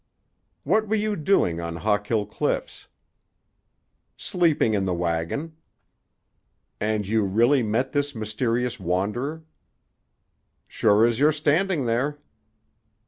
"What were you doing on Hawkill Cliffs?" "Sleeping in the wagon." "And you really met this mysterious wanderer?" "Sure as you're standing there."